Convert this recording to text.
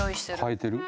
変えてる？